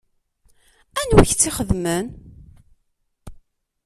Anwa i k-tt-ixedmen?